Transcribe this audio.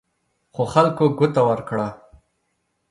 خو خلکو ګوته ورکړه.